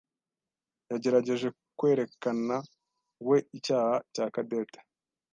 yagerageje kwerekanawe icyaha cya Cadette.